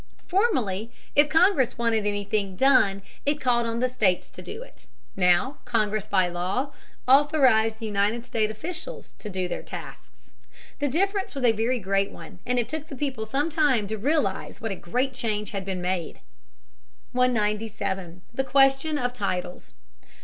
Formerly if Congress wanted anything done, it called on the states to do it. Now Congress, by law, authorized the United States officials to do their tasks. The difference was a very great one, and it took the people some time to realize what a great change had been made. [Sidenote: Titles. Higginson, 222.] 197. The Question of Titles.